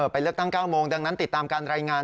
ไปเลือกตั้ง๙โมงดังนั้นติดตามการรายงาน